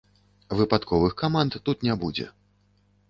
Выпадковых каманд тут не будзе.